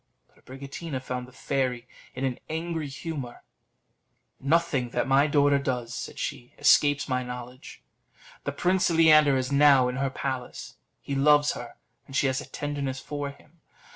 But Abricotina found the fairy in an angry humour. "Nothing that my daughter does," said she, "escapes my knowledge. The Prince Leander is now in her palace; he loves her, and she has a tenderness for him.